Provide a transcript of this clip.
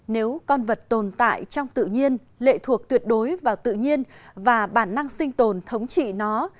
nếu con vật tồn tại trong tự nhiên lệ thuộc tuyệt đối vào tự nhiên và bản năng sinh tồn thống trị nó